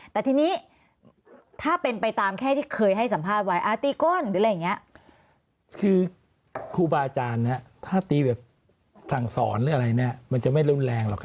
แต่ทีนี้ถ้าเป็นไปตามแค่ที่เคยให้สัมภาษณ์ไว้อาตีก้นหรืออะไรอย่างนี้คือครูบาอาจารย์เนี่ยถ้าตีแบบสั่งสอนหรืออะไรเนี่ยมันจะไม่รุนแรงหรอกครับ